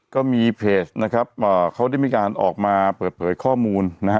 ก็มีเพจนะครับเขาได้มีการออกมาเปิดเผยข้อมูลนะฮะ